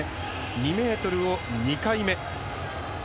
２ｍを２回目。